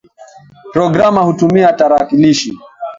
Programa hutumia tarakilishi.